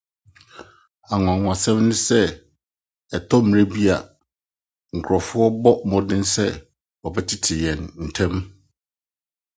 Anwonwasɛm ne sɛ, ɛtɔ mmere bi a, nkurɔfo bɔ mmɔden sɛ wɔbɛtetew yɛn ntam.